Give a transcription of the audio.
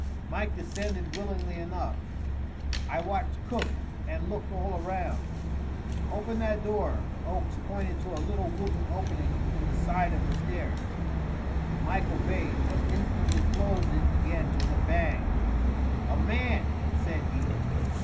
Mike descended willingly enough. I watched Cook and looked all around. "Open that door." Oakes pointed to a little wooden opening in the side of the stairs. Mike obeyed, but instantly closed it again with a bang. "A man!" said he.